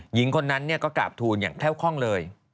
หญิงคนนั้นก็กราบทูลอย่างเท่าคล่องเลย